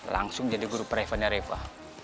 langsung jadi guru private nya reva